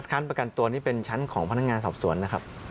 ประกันตัวนี่เป็นชั้นของพนักงานสอบสวนนะครับ